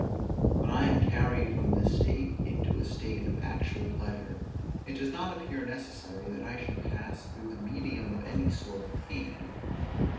When I am carried from this state into a state of actual pleasure, it does not appear necessary that I should pass through the medium of any sort of pain.